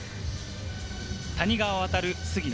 谷川航、杉野。